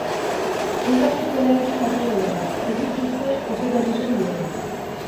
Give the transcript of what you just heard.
Ez dakit zer egiten ote duen... ez dut uste ezer egiten duenik.